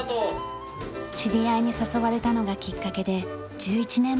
知り合いに誘われたのがきっかけで１１年前に始めました。